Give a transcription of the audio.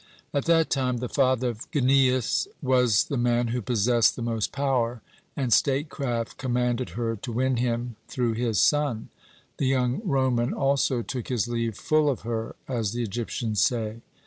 At that time the father of Gnejus was the man who possessed the most power, and statecraft commanded her to win him through his son. The young Roman also took his leave 'full of her,' as the Egyptians say.